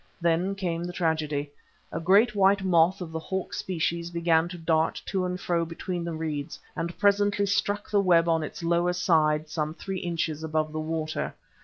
Then came the tragedy. A great, white moth of the Hawk species began to dart to and fro between the reeds, and presently struck the web on its lower side some three inches above the water.